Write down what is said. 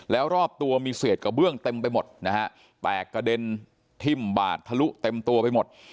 แล้วรอบตัวมีเศษกระเบื้องเต็มไปหมดนะฮะแตกกระเด็นทิ่มบาดทะลุเต็มตัวไปหมด